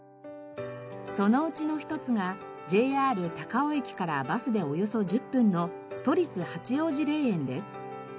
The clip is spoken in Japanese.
そのうちの一つがＪＲ高尾駅からバスでおよそ１０分の都立八王子霊園です。